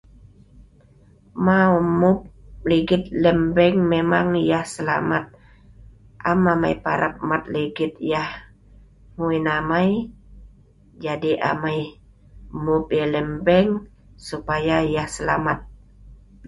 Maw.mmup ligit lem bank memang yah selamat. Am amai parab mat ligit yah hngui namai ,jadi amai mmup lem bank supaya yah selamat .